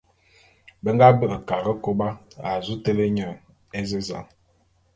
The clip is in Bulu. Be nga be'e Karekôba a zu télé nye ézezan.